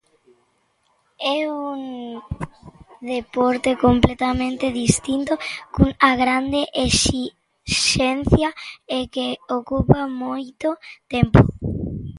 É un deporte completamente distinto, cunha grande exixencia e que ocupa moito tempo.